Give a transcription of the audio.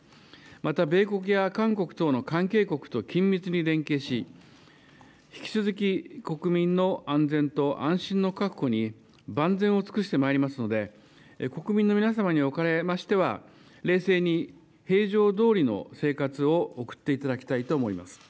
また米国や韓国等の関係国と緊密に連携し、引き続き国民の安全と安心の確保に万全を尽くしてまいりますので、国民の皆様におかれましては、冷静に平常どおりの生活を送っていただきたいと思います。